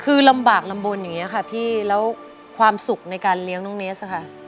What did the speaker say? คือลำบากลำบลอย่างนี้ค่ะพี่แล้วความสุขในการเลี้ยงน้องเนสค่ะ